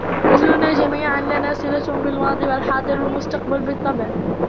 كلنا جميعاً لنا صلة بالماضي والحاضر والمستقبل بالطبع.